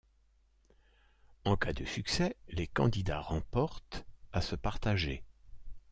En cas de succès, les candidats remportent à se partager.